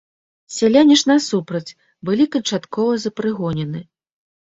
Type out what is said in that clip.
Сяляне ж, насупраць, былі канчаткова запрыгонены.